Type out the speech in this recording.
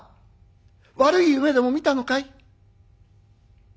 悪い夢でも見たのかい？」。